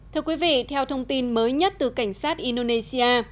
thưa quý vị theo thông tin mới nhất từ cảnh sát indonesia